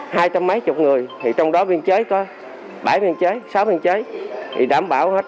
hai trăm mấy chục người thì trong đó biên chế có bảy biên chế sáu biên chế thì đảm bảo hết